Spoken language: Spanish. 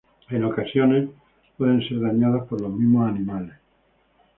En ocasiones, pueden ser dañadas por los mismos animales.